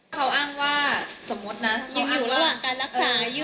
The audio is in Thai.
เขาอ้างว่าสมมุตินะยังอยู่ระหว่างการรักษาอยู่